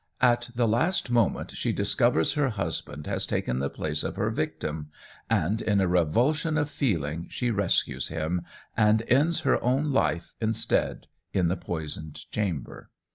At the last moment she discovers her husband has taken the place of her victim, and in a revulsion of feeling she rescues him, and ends her own life instead in the poisoned chamber.